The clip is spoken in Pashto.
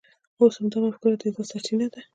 اوس همدا مفکوره د عزت سرچینه ده.